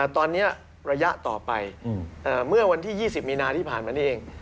ตอนนี้ระยะต่อไปเมื่อวันที่๒๐มีนาที่ผ่านมานี่เอง